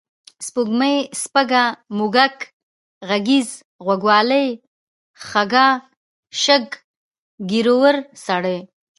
سپوږمۍ، سپږه، موږک، غږیز، غوږ والۍ، خَږا، شَږ، ږېرور سړی